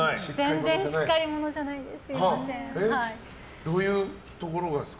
全然しっかり者じゃないです。